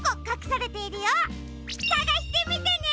さがしてみてね！